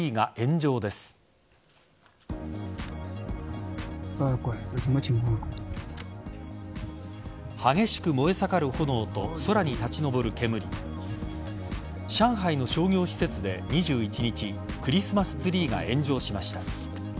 上海の商業施設で２１日クリスマスツリーが炎上しました。